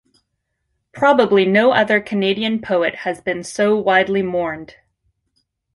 Probably no other Canadian poet has been so widely mourned.